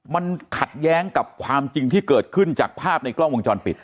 มันขัดแย้งกับความจริงที่เกิดขึ้นจากภาพในกล้องวงจรปิด